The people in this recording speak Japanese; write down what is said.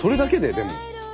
でも。